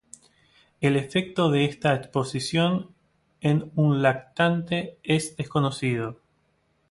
El efecto de esta exposición en un lactante es desconocido.